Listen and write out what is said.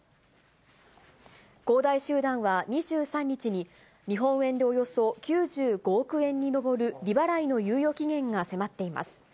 恒大集団は２３日に、日本円でおよそ９５億円に上る利払いの猶予期限が迫っています。